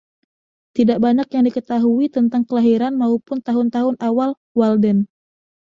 Tidak banyak yang diketahui tentang kelahiran maupun tahun-tahun awal Walden.